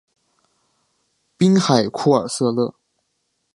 滨海库尔瑟勒。